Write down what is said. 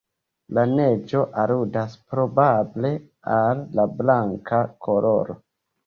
La neĝo aludas probable al la blanka koloro.